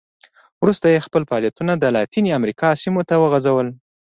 وروسته یې خپل فعالیتونه د لاتینې امریکا سیمو ته وغځول.